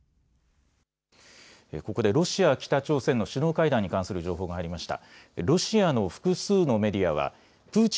ここでロシア北朝鮮の首脳会談に関する情報がありました。